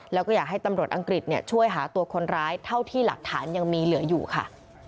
แล้วก็อยากให้ตำรวจอังกฤษช่วยหาตัวคนร้ายเท่าที่หลักฐานยังมีเหลืออยู่ค่ะ